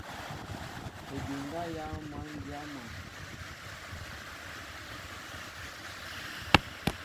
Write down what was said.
Ediŋga yááŋ măn dya maá.